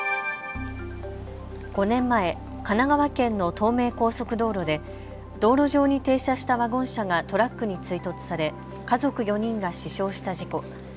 ５年前、神奈川県の東名高速道路で道路上に停車したワゴン車がトラックに追突され家族４人が死傷した事故。